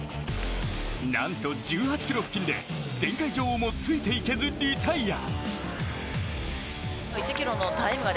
なんと１８ｋｍ付近で前回女王もついていけずリタイア。